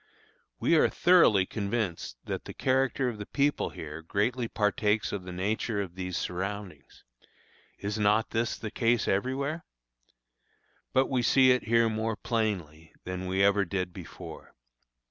We are thoroughly convinced that the character of the people here greatly partakes of the nature of these surroundings. Is not this the case everywhere? But we see it here more plainly than we ever did before.